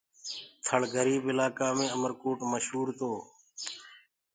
ٿݪ گريب الآڪآ مي اُمر ڪو ڪوٽ مشهوري